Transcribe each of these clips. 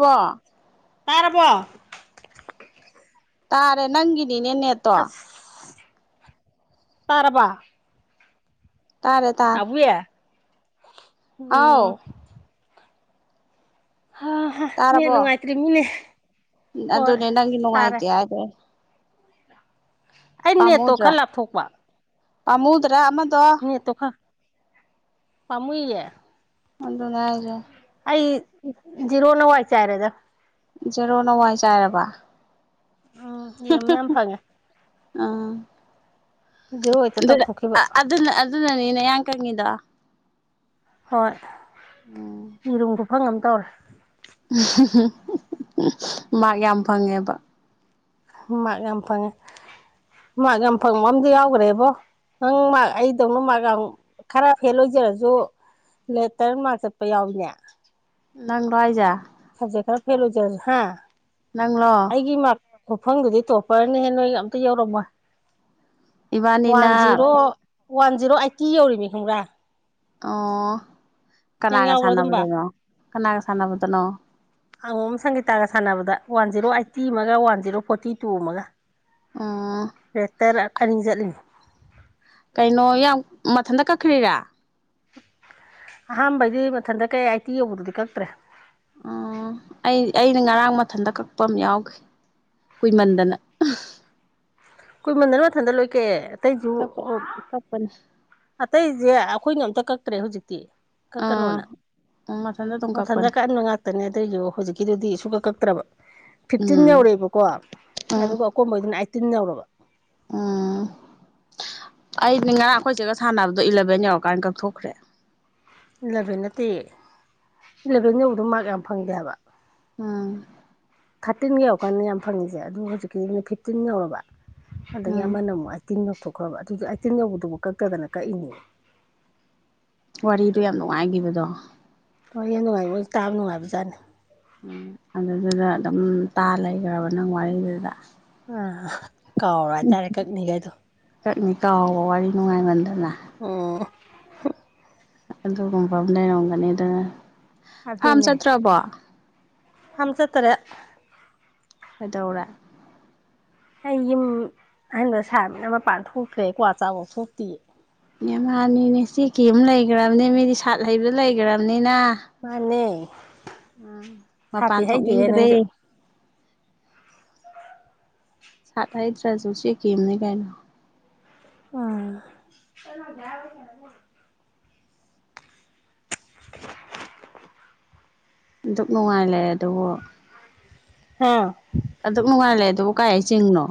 ꯋꯥ ꯄꯥꯔꯕ ꯇꯥꯔꯦ ꯅꯪꯒ ꯑꯁ ꯇꯔꯕꯥ ꯇꯥꯔꯦ ꯇꯥꯔꯦ ꯎꯝ ꯍꯥꯎ ꯍꯥ ꯍꯥ ꯅꯦꯠ ꯇꯥꯔꯕꯣ ꯅꯨꯡꯉꯥꯏꯇ꯭ꯔꯤꯃꯤꯅꯦ ꯍꯣꯏ ꯑꯗꯨꯅꯦ ꯅꯪꯒꯤ ꯇꯥꯔꯦ ꯅꯨꯡꯉꯥꯏꯇꯦ ꯍꯥꯏꯗꯦ ꯑꯩ ꯅꯦꯠꯇꯣ ꯈꯔ ꯂꯥꯞꯊꯣꯛꯄ ꯄꯥꯃꯨꯗꯔꯥ ꯑꯃꯇ ꯅꯦꯠꯇꯣꯈꯥ ꯄꯥꯃꯨꯏꯌꯦ ꯑꯗꯨꯅꯦ ꯍꯥꯏꯖ ꯑꯩ ꯖꯤꯔꯣꯅ ꯋꯥꯏ ꯆꯥꯏꯔꯦꯗꯥ ꯖꯦꯔꯣ ꯅꯋꯥꯏ ꯆꯥꯏꯔꯕ ꯑꯧꯎ ꯌꯔꯨꯝ ꯌꯥꯝ ꯐꯪꯉꯦ ꯎ ꯖꯤꯔꯣ ꯍꯦꯛꯇ ꯑꯗꯨꯅ ꯇꯧꯊꯣꯛꯈꯤꯕ ꯑꯗꯨꯨꯅꯥ ꯑꯠ ꯑꯗꯨꯅꯅꯤ ꯅꯌꯥꯝ ꯀꯪꯉꯤꯗꯣ ꯍꯣꯏ ꯔꯨꯝ ꯈꯨꯐꯪ ꯑꯃꯝ ꯇꯧꯔꯦ ꯃꯥꯛ ꯌꯥꯝ ꯐꯪꯉꯦꯕ ꯃꯥꯛ ꯌꯥꯝ ꯐꯪꯉꯦ ꯃꯥꯛ ꯌꯥꯝ ꯐꯪꯕ ꯑꯝꯗꯤ ꯌꯥꯎꯒꯥꯔꯦꯕꯣ ꯅꯡ ꯃꯥ ꯑꯩꯗꯧꯅ ꯃꯥ ꯈꯔ ꯐꯦꯜ ꯑꯣꯏꯖꯔꯁꯨ ꯂꯦꯇꯔ ꯃꯥꯛ ꯆꯠꯄ ꯌꯥꯎꯏꯅꯦ ꯅꯡꯂꯣ ꯍꯥꯏꯖ ꯍꯧꯖꯤꯛ ꯈꯔꯥ ꯐꯦꯜ ꯑꯣꯏꯖꯔꯥꯁꯨ ꯅꯡꯂꯣ ꯐꯨꯐꯡꯗꯨꯒꯤ ꯇꯣꯞꯄꯔꯅꯤꯍꯦ ꯅꯣꯏ ꯑꯝꯇ ꯌꯧꯔꯝꯃꯣꯏ ꯏꯕꯥꯅꯤꯅ one zero one zero eighty ꯌꯧꯔꯤꯅꯦ ꯈꯡꯕ꯭ꯔꯥ ꯑꯣ ꯀꯅꯥꯒ ꯌꯥꯎꯕ꯭ꯔꯣ ꯑꯗꯨꯝꯕ ꯁꯥꯟꯅꯕꯗꯅꯣ ꯀꯅꯥꯒ ꯁꯥꯟꯅꯕꯗꯅꯣ ꯑꯪꯉꯣꯝ ꯁꯪꯒꯤꯇꯥꯒ ꯁꯥꯟꯅꯕꯗ ꯋꯥꯟ ꯖꯤꯔꯣ ꯑꯥꯏꯠꯇꯤ ꯑꯃꯒ ꯋꯥꯟ ꯖꯤꯔꯣ ꯐꯣꯔꯇꯤ ꯇꯨ ꯑꯃꯒ ꯎꯝ ꯔꯦꯠꯇꯔ ꯑꯅꯤ ꯆꯠꯂꯤꯅꯤ ꯀꯩꯅꯣ ꯌꯥꯝ ꯃꯊꯟꯇ ꯀꯛꯈ꯭ꯔꯤꯔꯥ ꯑꯍꯥꯟꯕꯩꯗꯤ ꯃꯊꯟꯇ ꯀꯩ ꯑꯥꯏꯇꯤ ꯌꯧꯕꯗꯨꯗꯤ ꯀꯛꯇ꯭ꯔꯦ ꯎ ꯑꯩ ꯑꯩꯅ ꯉꯔꯥꯡ ꯃꯊꯟꯇ ꯀꯛꯄ ꯑꯃ ꯌꯥꯎꯈꯤ ꯀꯨꯏꯃꯟꯗꯅ ꯀꯨꯃꯟꯗꯅ ꯃꯊꯟꯗ ꯂꯣꯏꯀꯦ ꯑꯇꯩꯁꯨ ꯀꯛꯄ ꯀꯛꯄꯅꯦ ꯑꯇꯩ ꯏꯦ ꯑꯩꯈꯣꯏꯅ ꯑꯝꯇ ꯀꯛꯇ꯭ꯔꯦ ꯍꯧꯖꯤꯛꯇꯤ ꯀ ꯀꯩꯅꯣꯅ ꯑꯥ ꯎꯝ ꯑꯗꯨꯝ ꯃꯊꯟꯇ ꯀꯛꯄꯅꯦ ꯀꯕ ꯉꯥꯛꯇꯅꯦ ꯑꯗꯨꯏꯁꯨ ꯍꯧꯖꯤꯛꯀꯤꯗꯨꯗꯤ ꯁꯨ ꯀꯛ ꯀꯛꯇ꯭ꯔꯕ ꯐꯤꯐꯇꯤꯟ ꯎꯝ ꯌꯧꯔꯛꯦꯕꯀꯣ ꯎꯝ ꯑꯗꯨꯒ ꯑꯀꯣꯝꯕꯩꯗꯨꯅ ꯑꯥꯏꯠꯇꯤꯟ ꯌꯧꯔꯕ ꯎꯝ [inaudible] ꯑꯩꯗꯤ ꯉꯔꯥꯡ ꯑꯩꯈꯣꯏꯁꯤꯒ ꯁꯥꯟꯅꯕꯗꯣ ꯏꯂꯚꯦꯟ ꯌꯧꯔꯀꯥꯟꯗ ꯀꯛꯊꯣꯛꯈ꯭ꯔꯦ ꯏꯂꯚꯦꯟ ꯅꯠꯇꯦ ꯏꯂꯚꯦꯟꯗꯧꯕꯗ ꯃꯥꯔꯛ ꯌꯥꯝ ꯐꯪꯗꯦ ꯍꯥꯏꯕ ꯑꯝ ꯊꯥꯔꯇꯤꯟ ꯌꯧꯔꯀꯥꯟꯗ ꯌꯥꯝ ꯐꯪꯉꯤꯁꯦ ꯑꯗꯨ ꯍꯧꯖꯤꯛꯀꯤꯅ ꯐꯤꯐꯇꯤꯟ ꯌꯧꯔꯕ ꯑꯗꯒꯤ ꯎꯝ ꯑꯃꯅ ꯑꯃꯨꯛ ꯍꯥꯏ ꯑꯩꯥꯏꯠꯇꯤꯟ ꯌꯧꯊꯣꯛꯈ꯭ꯔꯕ ꯑꯗꯨꯗ ꯑꯥꯏꯇꯤꯟ ꯌꯧꯕꯗꯨꯕꯨ ꯀꯛꯇꯗꯅ ꯀꯛꯏꯅꯦ ꯋꯥꯔꯤꯗꯣ ꯌꯥꯝ ꯅꯨꯡꯉꯥꯏꯒꯤꯕꯗꯣ ꯍꯣꯏ ꯍ ꯅꯨꯡꯉꯥꯏ ꯃꯣꯏ ꯇꯥꯕ ꯅꯨꯡꯉꯥꯏꯕꯖꯥꯠꯅꯤ ꯎꯝ ꯑꯗꯨꯗꯨꯗ ꯑꯗꯨꯝ ꯇꯥ ꯂꯩꯈ꯭ꯔꯕ ꯅꯪ ꯋꯥꯔꯤꯗꯨꯗ ꯑ ꯀꯥꯎꯔ ꯍꯥꯏꯇꯥꯔꯦ ꯀꯛꯅꯤꯒꯗ ꯀꯛꯅꯤ ꯀꯥꯎꯕ ꯋꯥꯔꯤ ꯅꯨꯡꯉꯥꯏꯃꯟꯗꯅ ꯑ ꯑꯗꯨꯒꯨꯝꯕ ꯑꯃ ꯂꯩꯔꯝꯒꯅꯤ ꯑꯗꯨꯅ ꯐꯥꯝ ꯆꯠꯇ꯭ꯔꯕꯣ ꯍꯝꯆ ꯇꯔꯦ ꯀꯩꯗꯧꯔꯦ ꯑꯩ ꯌꯨꯝ ꯑꯍꯟꯥꯟꯕ ꯁꯥꯃꯤꯅ ꯃꯄꯥꯟ ꯊꯣꯛꯈ꯭ꯔꯦ ꯀ꯭ꯋꯥ ꯆꯥꯛꯕꯣꯛ ꯊꯣꯛꯇꯌꯦ ꯏꯃꯥꯟꯅꯤꯅꯦ ꯆꯦ ꯀ ꯑꯃ ꯂꯩꯈ꯭ꯔꯕꯅꯦ ꯃꯤꯗꯤ ꯁꯥꯠ ꯍꯩꯕꯗ ꯂꯩꯈ꯭ꯔꯕꯅꯤꯅ ꯃꯥꯅꯦ ꯎ ꯃꯄꯥꯟ ꯁꯥꯊꯤ ꯍꯩꯗꯦꯍꯦ ꯊꯣꯛꯅꯤꯡꯗ꯭ꯔꯦ ꯅꯪꯁꯨ ꯁꯥꯇ ꯏꯗ꯭ꯔꯥꯖꯣꯁꯤ ꯀꯦꯝꯅꯤ ꯀꯥꯏꯅ ꯑꯥ ꯑꯗꯨꯛ ꯅꯨꯡꯉꯥꯏ ꯂꯩꯑꯦ ꯗꯨꯕꯨ ꯍꯥꯥ ꯑꯗꯨꯝ ꯅꯨꯡꯉꯥꯏꯔ ꯂꯩ ꯑꯗꯨꯕꯨ ꯀꯥꯏ ꯆꯤꯡꯅꯣ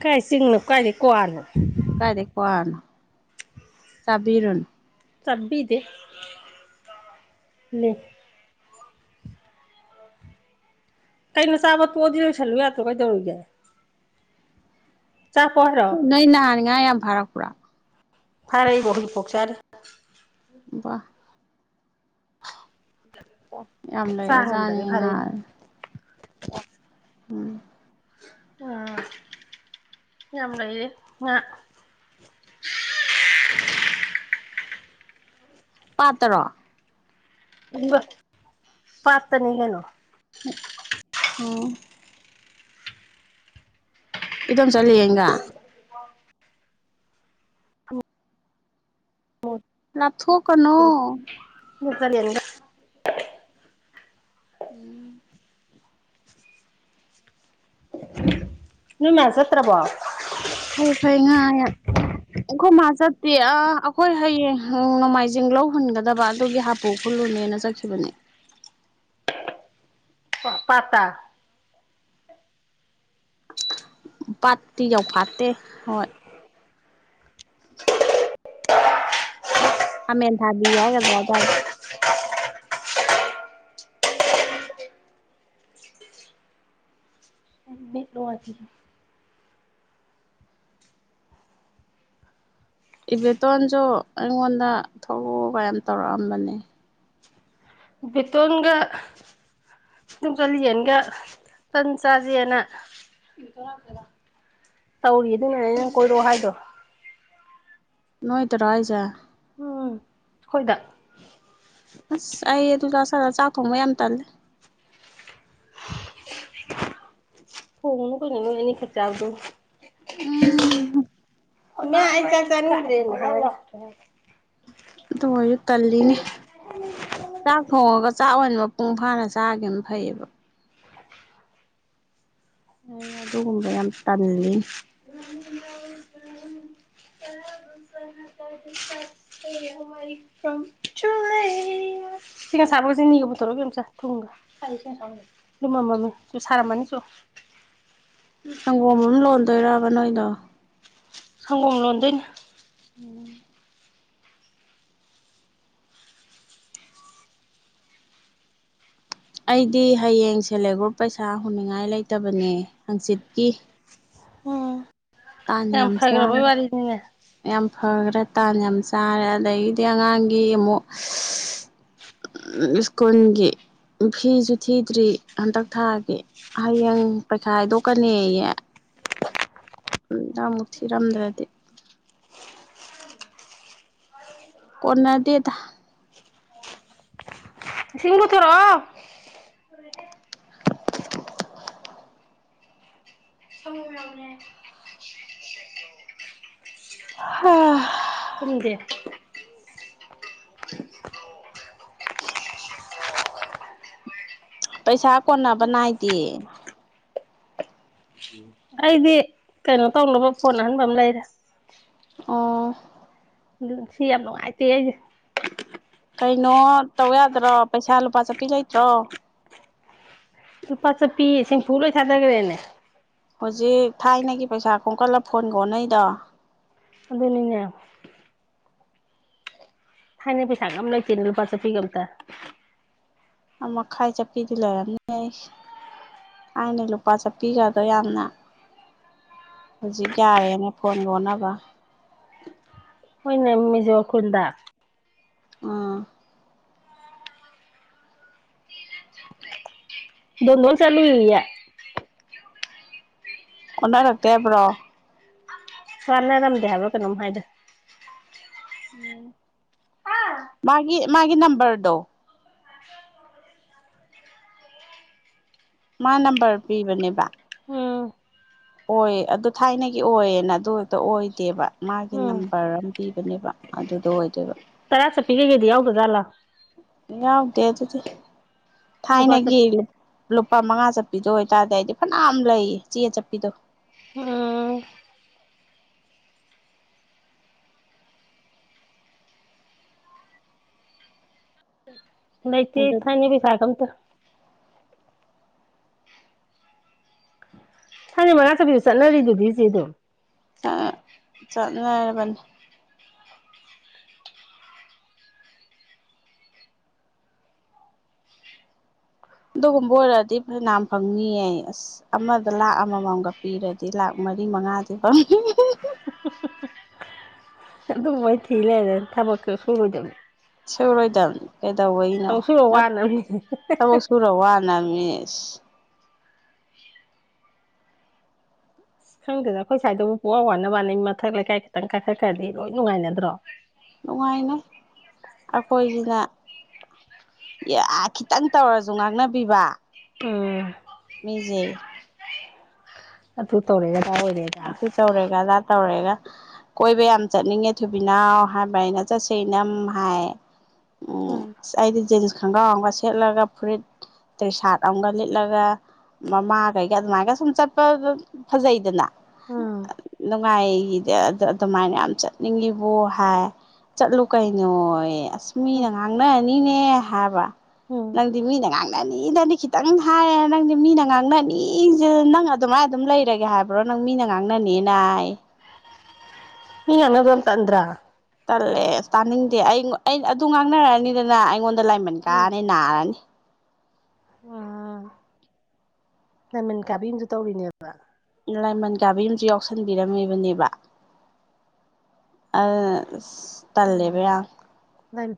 ꯀꯥꯏ ꯁꯤꯁꯤꯡꯅ ꯀꯥꯏꯗꯤ ꯀꯣꯋꯥꯅ ꯇꯕꯤꯔꯣꯟ ꯆꯕꯤꯗ ꯂꯩ ꯀꯩꯅ ꯆꯥꯕ ꯄꯣꯗꯤ ꯌꯣꯏꯁꯜꯂꯨ ꯌꯥꯗ꯭ꯔꯣ ꯀꯩꯗꯧꯔꯨꯒꯏ ꯆꯄꯍꯔ [unintelligible] ꯅꯣꯏ ꯅꯍꯥꯟ ꯉꯥ ꯌꯥꯝ ꯐꯔꯛꯄ꯭ꯔꯣ ꯐꯔꯦ ꯑꯕꯣ ꯍꯧꯖꯤꯛ ꯄꯣꯛꯆꯔꯦ ꯋꯥꯕꯥ ꯌꯥꯝ ꯆꯔ ꯍꯗꯒ ꯂꯩꯔꯖꯥꯠꯅꯤ ꯉꯥ ꯐꯔꯦꯅ ꯎꯝ ꯎ ꯌꯥꯝꯦ ꯑ [unintelligible] ꯄꯥꯇ꯭ꯔꯣ ꯄꯠꯇꯅꯤ ꯍꯦꯅꯣ ꯑꯥꯎ ꯏ ꯑꯗꯨꯝ ꯆꯠꯂꯤ ꯌꯦꯡꯒ ꯂꯥꯞꯊꯣꯛꯀꯅꯣ ꯃꯒꯂꯤꯗ ꯎꯝ ꯅꯣꯏ ꯃ ꯆꯠꯇ꯭ꯔꯕ ꯐꯔꯩ ꯐꯩꯦ ꯉꯥ ꯌꯥꯝ ꯑꯩꯈꯣꯏ ꯃꯥ ꯆꯠꯇꯦ ꯑ ꯑꯩꯈꯣꯏ ꯍꯌꯦꯡ ꯅꯣꯡꯃꯥꯏꯖꯤꯡ ꯂꯧ ꯍꯨꯟꯒꯗꯕ ꯑꯗꯨꯒꯤ ꯍꯥꯄꯨ ꯈꯨ ꯂꯣꯅꯦꯅ ꯆꯈꯈꯤꯕꯅꯦ ꯄꯇꯥ ꯄꯥꯠꯇꯤ ꯌꯥꯎ ꯐꯥꯠꯇꯦ ꯍꯣꯏ ꯍꯃꯦꯦꯟꯟ ꯊꯕꯤ ꯌꯥꯒꯗ꯭ꯔꯥ ꯑꯗ ꯍꯥꯏꯗ ꯇ ꯏꯕꯦꯇꯣꯟꯁꯨ ꯑꯩꯉꯣꯟꯗ ꯊꯣꯛꯂꯎ ꯀꯌꯥꯝ ꯇꯧꯔꯛꯑꯝꯕꯅꯦ ꯠꯇꯒ ꯑꯗꯨꯝ ꯆꯂꯤ ꯌꯦꯅꯒ ꯇꯟ ꯆꯥꯥꯁꯦꯅ ꯇꯧꯔꯤ ꯑꯗꯨꯅꯅꯦ ꯅ ꯅꯪ ꯀꯣꯏꯔꯑꯣ ꯍꯥꯏꯗꯣ ꯅꯣꯏ ꯇ ꯔ ꯍꯥꯏꯖꯦ ꯎꯝ ꯑꯩꯈꯣꯏꯗ ꯑꯁ ꯑꯩ ꯑꯗꯨꯖ ꯁꯥꯗ ꯆꯥꯛ ꯊꯣꯡꯕ ꯌꯥꯝ ꯇꯜꯂꯦ ꯍꯣꯡꯅ ꯀꯅꯅꯅꯤ ꯈꯔꯆꯆꯥ ꯎꯗꯣ ꯑ ꯅ ꯍꯥꯏ ꯆ ꯆꯗ꯭ꯔꯔꯤ ꯑꯣꯏꯣꯏꯁꯨ ꯇꯜꯂꯤꯅꯦ ꯆꯥꯛ ꯊꯣꯡꯉꯒ ꯆꯥꯛ ꯑꯣꯏꯅ ꯃꯄꯨꯡ ꯐꯥꯅ ꯆꯥꯒꯦꯅ ꯐꯩꯌꯦꯕ ꯍ ꯑꯗꯨꯒꯨꯝꯕ ꯌꯥꯝ ꯇꯜꯂꯤꯅꯤ ꯁꯤꯒ ꯁꯕꯒꯁꯤ ꯅꯤꯡꯒ ꯄꯨꯊꯣꯔꯒꯝꯆꯥ ꯊꯨꯡꯒ ꯂꯃꯝ ꯃꯃꯤ ꯁꯨ ꯁꯥꯔꯝꯃꯅꯤꯁꯨ ꯁꯪꯒꯣ ꯑꯃꯅ ꯂꯣꯟꯗ ꯔꯥꯕ ꯅ ꯑꯣꯏꯗ ꯁꯪꯒꯣꯝ ꯂꯣꯟꯗꯣꯏꯅꯦ ꯑꯩꯗꯤ ꯍꯌꯦꯡ ꯁꯦꯜꯐ ꯍꯦꯜꯞ ꯒ꯭ꯔꯨꯞ ꯄꯩꯁꯥ ꯍꯨꯅꯤꯡꯉꯥꯏ ꯂꯩꯇꯕꯅꯦ ꯍꯪꯆꯤꯠꯀꯤ ꯎꯝ ꯇꯥꯟ ꯌꯥꯝ ꯆꯥ ꯐꯈ꯭ꯔꯕꯩ ꯋꯥꯔꯤꯅꯤꯅꯦ ꯌꯥꯝ ꯐꯈ꯭ꯔꯦ ꯇꯥꯟ ꯌꯥꯝ ꯆꯥꯔꯦ ꯑꯗꯒꯤꯗꯤ ꯑꯉꯥꯡꯒꯤ ꯑꯃꯨꯛ ꯎ ꯏꯁꯀꯣꯟꯣꯟꯒꯤ ꯐꯤꯁꯨ ꯊꯤꯗ꯭ꯔꯤ ꯍꯟꯗꯛ ꯊꯥꯒꯤ ꯍꯌꯦꯡ ꯄꯩꯈꯥ ꯍꯥꯏꯗꯣꯛꯀꯅꯤꯌꯦ ꯎꯝ ꯅꯃꯨꯛ ꯊꯤꯔꯝꯗ꯭ꯔꯗꯤ ꯀꯅꯗꯤꯗ ꯏꯁꯤꯡ ꯄꯨꯊꯣꯔꯛꯑꯣ ꯎꯝ ꯊꯝꯖꯦ [inaudible] ꯄꯩꯁꯥ ꯀꯣꯟꯅꯕ ꯅꯥꯏꯗꯦ ꯑꯩꯗꯤ ꯀꯩꯅꯣ ꯇꯧꯅꯕ ꯐꯣꯟ ꯑꯍꯟꯕ ꯑꯃ ꯂꯩꯔꯦ ꯑꯥ ꯎꯝ ꯁꯤ ꯌꯥꯝ ꯅꯨꯡꯉꯥꯏꯇꯦ ꯑꯩꯁꯦ ꯀꯩꯅꯣ ꯇꯧ ꯌꯥꯗ꯭ꯔꯣ ꯄꯩꯁꯥ ꯂꯨꯄꯥ ꯆꯠꯄꯤ ꯂꯩꯇ꯭ꯔꯣ ꯄꯁ ꯄꯤ ꯁꯤ ꯐꯨꯂ ꯁꯥꯥꯗꯒꯔꯦꯅꯦ ꯍꯧꯖꯤꯛ ꯊꯥꯏꯅꯒꯤ ꯄꯩꯁꯥ ꯈꯣꯡꯀꯠꯂ ꯐꯣꯟ ꯀꯣꯅꯩꯗꯣ ꯑꯗꯨꯅꯤꯅꯦ ꯍꯥꯏꯅ ꯄꯩꯁꯥꯒ ꯑꯃ ꯂꯩꯇꯦꯅꯦ ꯂꯨꯄꯥ ꯆꯠꯄꯤꯒ ꯑꯝꯇ ꯃꯈꯥꯏ ꯆꯠꯄꯤꯗꯤ ꯂꯩꯔꯝꯅꯦ ꯑꯩ ꯍꯥꯏꯅꯦ ꯂꯨꯄꯥ ꯆꯠꯄꯤꯒꯗꯣ ꯌꯥꯝꯅ ꯍꯧꯖꯤꯛ ꯌꯥꯔꯦꯅꯦ ꯐꯣꯟ ꯂꯣꯟꯅꯕ ꯍꯣꯏꯅꯦ ꯃꯤꯖꯣꯔ ꯈꯨꯜꯗ ꯑꯥ ꯅꯣꯜ ꯆꯂꯨ ꯏꯌꯦ ꯑꯣꯟꯅ ꯇꯇꯦ ꯄꯨ꯭ꯔꯣ ꯁꯅ ꯂꯝꯗ ꯍꯥꯏꯕ ꯀꯩꯅꯣ ꯃꯗ ꯎ ꯃꯥꯒꯤ ꯃꯥꯒꯤꯦ ꯅꯝꯕꯝꯕꯔꯗꯣ ꯃꯥ ꯅꯝꯕꯔ ꯄꯤꯕꯅꯦꯕ ꯎꯝ ꯑꯣꯏ ꯑꯗꯨ ꯊꯥꯏꯅꯒꯤ ꯑꯣꯏꯌꯦꯅ ꯑꯗꯨ ꯈꯛꯇ ꯑꯣꯏꯗꯦꯕ ꯃꯥꯒꯤ ꯎꯝ ꯅꯝꯕꯔ ꯑꯃ ꯄꯤꯕꯅꯦꯕ ꯑꯗꯨꯗꯣ ꯑꯣꯏꯗꯣꯏꯕ ꯇꯔꯁꯄꯤ ꯒꯗꯤꯎꯒꯒꯂ ꯌꯥꯎꯗꯦ ꯑꯗꯨꯗꯤ ꯂꯨꯄꯥ ꯆꯠ ꯊꯥꯏꯅꯒꯤ ꯂꯨꯄꯥ ꯃꯉꯥ ꯆꯠꯄ ꯆꯠꯄꯤꯗꯣ ꯑꯣꯏꯇꯥꯔꯗꯤ ꯑꯩꯗꯤ ꯐꯅꯌꯥꯝ ꯂꯩꯌꯦ ꯆꯦ ꯆꯠꯄꯤꯗꯣ ꯑ ꯂꯩꯇ ꯏ ꯑꯗꯨ ꯊꯅꯤ ꯄ ꯁꯥꯥꯒꯝꯇ ꯊꯅ ꯃꯉꯅꯥ ꯆꯕꯤꯁꯨ ꯆꯠꯅꯔꯤꯗꯨꯗꯤ ꯁꯤ ꯑꯗꯨꯝ ꯑ ꯆꯅꯤ ꯑꯗꯨꯒꯨꯝꯕ ꯑꯣꯏꯔꯗꯤ ꯐ ꯝ ꯐꯪꯅꯤꯌꯦ ꯑꯁ ꯑꯃꯗ ꯂꯥꯛ ꯑꯃꯃꯝꯒ ꯄꯤꯔꯗꯤ ꯂꯥꯛ ꯃꯔꯤ ꯃꯉꯥꯥꯁꯦ ꯐꯝ [inaudible] ꯑꯗꯨꯃꯥꯏ ꯊ ꯂꯩ ꯊꯃꯛ ꯁꯨꯔꯨ ꯑꯣꯏꯗ ꯁꯨꯔꯣꯏꯗꯕꯅꯤ ꯀꯩꯗꯧꯕꯩꯅꯣ ꯁꯨꯕ ꯋꯥꯅꯕꯅꯤ ꯑꯁ ꯊꯕꯛ ꯁꯨꯔ ꯋꯥꯅꯅꯦ ꯑ [unintelligible] ꯑꯁ ꯈꯪꯗꯦꯗ ꯑꯩꯈꯣꯏ ꯁ꯭ꯏꯗꯕꯨ ꯄꯨꯨꯡꯋꯥ ꯋꯥꯅ ꯋꯥꯅꯩ ꯃꯊꯛ ꯂꯩꯀꯥꯏ ꯈꯤꯇꯪ ꯀꯥꯏꯈꯠꯈ꯭ꯔꯗꯤ ꯂꯣꯏ ꯅꯨꯡꯉꯥꯏꯅꯗ꯭ꯔꯣ ꯅꯨꯡꯉꯥꯏꯅꯩ ꯑꯩꯈꯣꯏꯁꯤꯅ ꯑꯦ ꯈꯤꯇꯪ ꯇꯧꯔꯁꯨ ꯉꯥꯛꯅꯕꯤꯕ ꯑꯣ ꯖꯦ ꯑ ꯇꯕꯨ ꯇꯧꯔꯒ ꯑꯇ ꯆꯧꯔꯦꯒ ꯂꯥ ꯇꯧꯔꯦꯒ ꯀꯣꯏꯕ ꯌꯥꯝ ꯆꯠꯅꯤꯡꯉꯦ ꯊꯨꯕꯤꯅꯥꯎ ꯍꯥꯏꯕ ꯑꯩꯅ ꯆꯠꯁꯦꯅꯝ ꯍꯥꯏ ꯎꯝ ꯑꯁ ꯑꯩꯗꯤ ꯖꯤꯟꯁ ꯈꯣꯡꯒ꯭ꯔꯥꯎꯝꯒ ꯁꯦꯠꯂꯒ ꯐꯨꯔꯤꯠ ꯇꯦ ꯁꯥꯠ ꯑꯃꯝꯒ ꯂꯤꯠꯂꯒ ꯃꯃꯥ ꯀꯩꯒ ꯑꯗꯨꯃꯥꯏꯒ ꯁꯨꯝ ꯆꯠꯄ ꯑꯗꯨ ꯐꯖꯩꯗꯅ ꯎꯝ ꯅꯨꯡꯉꯥꯏꯒꯤꯗꯤ ꯑ ꯑꯗꯨꯃꯥꯏꯅ ꯌꯥꯝ ꯆꯠꯅꯤꯡꯉꯤꯕ ꯍꯥꯏ ꯆꯠꯂꯨ ꯀꯩꯅꯣ ꯑꯁ ꯎꯝ ꯃꯤꯅ ꯉꯥꯡꯅꯔꯅꯤꯅꯦ ꯍꯥꯏꯕ ꯎꯝ ꯅꯪꯗꯤ ꯃꯤꯅ ꯉꯥꯡ ꯑꯅꯤꯗꯗꯤ ꯈꯤꯇꯪ ꯍꯥꯏꯌꯦ ꯅꯪꯗꯤ ꯃꯤꯅ ꯉꯥꯡꯅ ꯑꯅꯤꯁꯤ ꯅꯪ ꯑꯗꯨꯃꯥꯏꯅ ꯑꯗꯨꯝ ꯂꯩꯔꯒꯦ ꯍꯥꯏꯕ꯭ꯔꯣ ꯅꯪ ꯃꯤꯅꯥꯉꯥꯡꯅ ꯅꯦꯅ ꯍꯥꯏ ꯃꯤ ꯑꯉꯗꯣ ꯇꯟ꯭ꯔꯥ ꯇꯜꯂꯦ ꯑꯁ ꯇꯥꯅꯤꯡꯗꯦ ꯑꯩ ꯑꯩ ꯑꯗꯨ ꯉꯥꯡꯅꯔꯛꯑꯅꯤꯗꯅ ꯑꯩꯉꯣꯟꯗ ꯂꯥꯏꯃꯟ ꯎꯝ ꯀꯥꯔꯅꯤ ꯅꯥꯔꯅꯤ ꯎꯝ ꯅꯃꯤꯟ ꯀꯥꯕꯤ ꯑꯃꯁꯁꯨ ꯇꯧꯔꯤꯅꯦꯕ ꯂꯥꯏꯃꯟ ꯀꯥꯕ ꯌꯨꯝꯁꯨ ꯌꯥꯎꯁꯟꯕꯤꯔꯝꯃꯤꯕꯅꯦꯕ ꯎꯝ ꯇꯂꯦꯕꯌꯥ ꯂꯥꯏ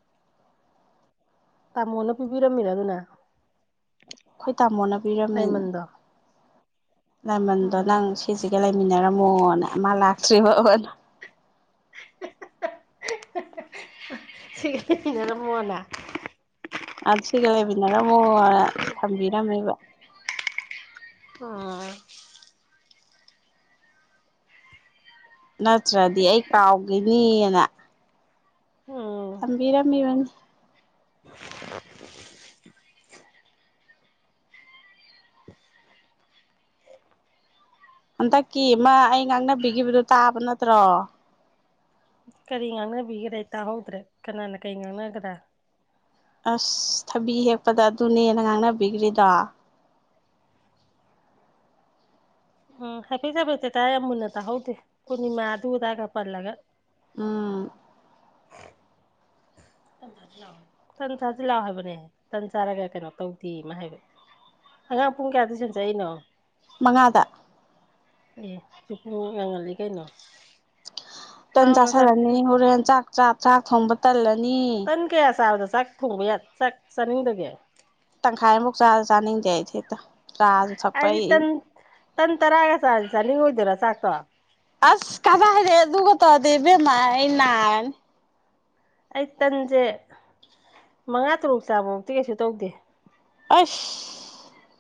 ꯇꯥꯃꯣꯅ ꯄꯤꯕꯤꯔꯝꯃꯤꯔ ꯑꯗꯨꯅ ꯑꯩꯈꯣꯏ ꯇꯥꯃꯣꯅ ꯄꯤꯔꯝꯃꯤꯅꯤ ꯂꯩꯥꯏꯃꯟꯗ ꯂꯥꯏꯃꯟꯗꯣ ꯅꯪ ꯁꯤꯁꯤꯒ ꯂꯩꯃꯤꯟꯅꯔꯝꯃꯣꯅ ꯑꯃ ꯂꯥꯛꯇ꯭ꯔꯤꯕꯅ ꯁꯤꯅꯅ ꯐꯣꯅ ꯁꯤꯒ ꯂꯩꯃꯤꯟꯅꯔꯝꯃꯣ ꯊꯝꯕꯤꯔꯝꯃꯦꯕ ꯑꯣ ꯅꯠꯇ꯭ꯔꯗꯤ ꯑꯩ ꯀꯥꯎꯈꯤꯅꯤꯅ ꯎꯝ ꯊꯝꯕꯤꯔꯝꯃꯤꯕꯅꯤ ꯍꯟꯗꯛꯀꯤ ꯃꯥ ꯑꯩ ꯉꯥꯡꯅꯕꯤꯈꯤꯕꯗꯨꯣ ꯇꯥꯕ ꯅꯠꯇ꯭ꯔꯣ ꯀꯔꯤ ꯉꯥꯡꯅꯕꯤꯒꯦ꯭ꯔꯦ ꯑꯩ ꯇꯥꯍꯧꯗ꯭ꯔꯦ ꯀꯅꯥꯅ ꯀꯔꯤ ꯉꯥꯡꯅꯒꯗ꯭ꯔꯥ ꯑꯁ ꯊꯕꯤ ꯍꯦꯛꯄꯗ ꯑꯗꯨꯅꯦꯅ ꯉꯥꯡꯅꯕꯤꯈ꯭ꯔꯤꯗꯣ ꯎꯝ ꯍꯥꯏꯐꯠꯕꯁꯦ ꯇꯥꯏ ꯌꯥꯝ ꯃꯨꯟꯅ ꯇꯥꯍꯧꯗꯦ ꯄꯨꯔꯅꯤꯃꯥ ꯑꯗꯨ ꯑꯗꯥꯏꯒ ꯄꯜꯂꯒ ꯎꯝ ꯍ ꯟ ꯆꯥꯁꯤ ꯂꯥꯛꯑꯣ ꯍꯥꯏꯕꯅꯦꯍ ꯇꯟ ꯆꯥꯔꯒ ꯀꯩꯅꯣ ꯇꯧꯗꯦ ꯑꯃ ꯍꯥꯏꯕ ꯑꯉꯥꯡ ꯄꯨꯡ ꯀꯌꯥꯗ ꯁꯨꯝ ꯆꯔꯤꯅꯣ ꯃꯉꯥꯗ ꯑꯦ ꯆꯨꯄꯨ ꯉꯡꯍꯜꯂꯤ ꯀꯩꯅꯣ ꯇꯟ ꯂꯥꯛꯑꯣ ꯆꯥꯥꯁꯜꯂꯅꯤ ꯅꯆꯥꯅꯨꯄꯤꯗꯣ ꯍꯣꯔꯦꯟ ꯆꯥꯛ ꯊꯥꯛ ꯊꯣꯡꯕ ꯇꯜꯂꯅꯤ ꯇꯟ ꯀꯌꯥ ꯆꯥꯕꯗ ꯆꯥꯛ ꯊꯣꯡꯕ ꯆꯥꯛ ꯆꯥꯅꯤꯡꯗꯒꯦ ꯇꯪꯈꯥꯏꯃꯨꯛ ꯆꯥꯁꯨ ꯆꯥꯅꯤꯡꯗꯦ ꯑꯩꯁꯦꯛꯇ ꯆꯥꯁꯨ ꯊꯛꯄ ꯑꯩꯗꯤ ꯑꯩ ꯇꯟ ꯇꯟ ꯇꯔ ꯍꯥꯏꯒꯁꯁꯅꯤ ꯍꯣꯏꯗꯔ ꯁꯥꯀ ꯑꯁ ꯀꯖ ꯍꯥꯏꯔꯦ ꯑꯗꯨ ꯀ ꯇꯗꯤ ꯦꯃꯥꯏꯅꯥ ꯑꯩ ꯇꯟꯁꯦ ꯃꯉꯥ ꯇꯔꯨꯛ ꯆꯥꯃꯃꯨꯛꯇꯤ ꯀꯩꯁꯨ ꯇꯧꯗꯦ ꯑꯁ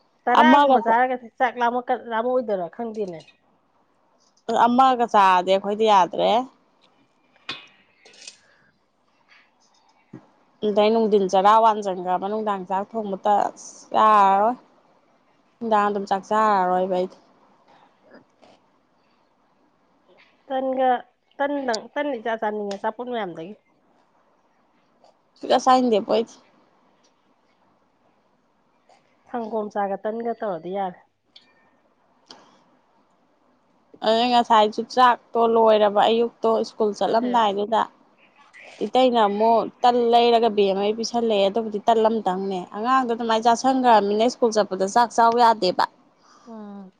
ꯑꯃꯒ ꯆꯔꯥꯒꯨꯝꯕ ꯆꯥꯔꯒ ꯆꯥꯛ ꯂꯥ ꯂꯥꯝꯃꯑꯣꯏꯗꯣꯏꯔꯥ ꯈꯪꯗꯦꯅꯦ ꯑꯁ ꯑꯃꯒ ꯆꯥꯗꯦ ꯑꯩꯈꯣꯏꯗꯤ ꯌꯥꯗ꯭ꯔꯦ ꯑꯗꯩ ꯅꯨꯡꯊꯤꯟ ꯆꯔꯥ ꯋꯥꯟꯖꯪꯈ꯭ꯔꯕ ꯅꯨꯡꯗꯥꯡ ꯆꯥꯛ ꯊꯣꯡꯕꯇ ꯌꯥꯔꯣꯏ ꯟꯗꯥꯥꯡ ꯑꯗꯨꯝ ꯆꯥꯛ ꯆꯥꯔꯔꯣꯏ ꯑꯩꯗꯤ ꯇꯟꯒ ꯇꯟꯗꯪ ꯇꯟꯗꯤ ꯆꯥ ꯆꯥꯅꯤꯡꯉꯦ ꯆꯄꯣꯟ ꯃꯌꯥꯝꯗꯒꯤ ꯇꯗ ꯁꯥꯏꯟꯗꯦ ꯄꯣꯣꯏ ꯁꯪꯒꯣꯝ ꯆꯥꯒ ꯇꯟꯒ ꯇꯧꯔꯗꯤ ꯌꯥꯔꯦ ꯑ ꯉꯁꯥꯏꯁꯨꯨ ꯆꯥꯛꯇꯣ ꯂꯣꯏꯔꯕ ꯑꯌꯨꯛ ꯇꯣ ꯁ꯭ꯀꯨꯜ ꯈꯔ ꯍꯩꯔꯞ ꯆꯠꯂꯝꯗꯥꯏꯗꯨꯗ ꯏꯇꯩꯅ ꯑꯃꯨꯛ ꯇꯟ ꯂꯩꯔꯒ ꯕꯦꯝ ꯑꯃ ꯄꯤꯁꯜꯂꯛꯑꯦ ꯑꯗꯨꯕꯨꯗꯤ ꯇꯟ ꯑꯃꯇꯪꯅꯦ ꯑꯉꯥꯡꯗꯣ ꯑꯗꯨꯃꯥꯏꯅ ꯆꯥꯥꯁꯟꯈ꯭ꯔꯕꯅꯤꯅ ꯁ꯭ꯀꯨꯜ ꯆꯠꯄꯗ ꯑꯗꯣ ꯆꯥꯛ ꯆ ꯌꯥꯗꯦꯕ ꯑꯥ